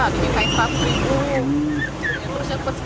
dia ngeras bang minta rp lima puluh sama kupirnya